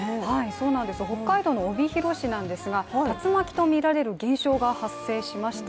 そうなんです、北海道の帯広市なんですが竜巻とみられる現象が発生しました。